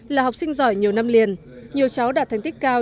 là học sinh giỏi nhiều năm liền nhiều cháu đạt thành tích cao